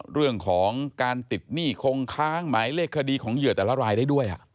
เรื่องของการติดหนี้คงค้างหมายเลขคดีของเหยื่อแต่ละรายได้ด้วย